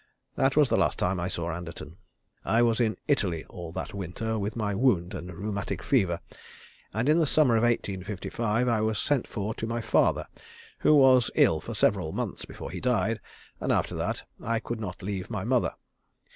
That was the last time I saw Anderton. I was in Italy all that winter with my wound and rheumatic fever; and in the summer of 1855 I was sent for to my father, who was ill for several months before he died, and after that I could not leave my mother.